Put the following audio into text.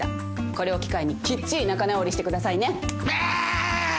これを機会にきっちり仲直りしてくださいね